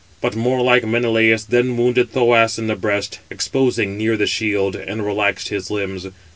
But warlike Menelaus then wounded Thoas in the breast, exposed near the shield, and relaxed his limbs.